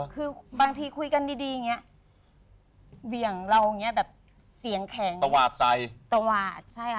คือบางทีคุยกันดีเนี้ยเวียงลองเนี้ยแบบเสียงแข็งตวาดใส่ตวาดใช่อ่ะ